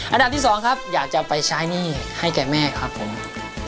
อันดับที่สองครับอยากจะไปใช้หนี้ให้แก่แม่ครับผม